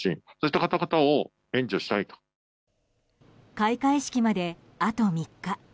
開会式まで、あと３日。